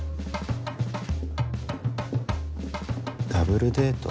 ダブルデート？